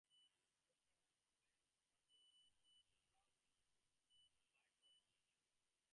She often blames herself for the results of the Light Warriors' actions.